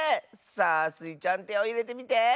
さあスイちゃんてをいれてみて！